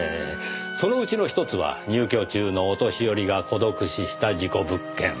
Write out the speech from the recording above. そのうちの１つは入居中のお年寄りが孤独死した事故物件。